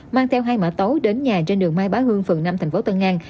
mang theo hai mã tấu đến nhà trên đường mai bá hương phường năm thành phố tân an